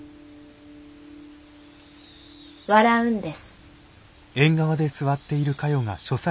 笑うんです』」。